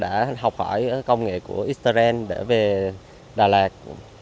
đã học hỏi công nghệ của easter end để về đà lạt